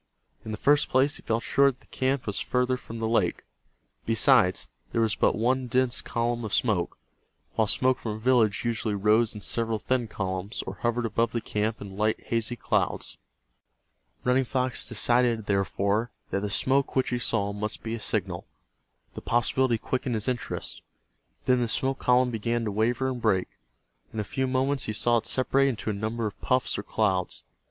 In the first place he felt sure that the camp was farther from the lake. Besides, there was but one dense column of smoke, while smoke from a village usually rose in several thin columns, or hovered above the camp in light hazy clouds. Running Fox decided, therefore, that the smoke which he saw must be a signal. The possibility quickened his interest. Then the smoke column began to waver and break. In a few moments he saw it separate into a number of puffs or clouds.